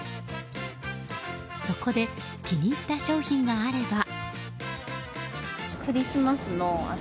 そこで気に入った商品があれば。